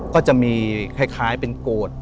ก็จะมีคล้ายเป็นโกรธ